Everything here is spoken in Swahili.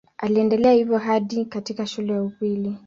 Aliendelea hivyo hadi katika shule ya upili.